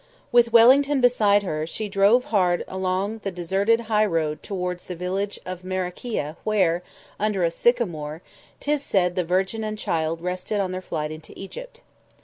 With Wellington beside her, she drove hard along the deserted high road towards the village of Makariyeh where, under a sycamore, 'tis said the Virgin and Child rested on their Flight into Egypt.